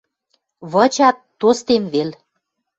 Вычат тостем вел.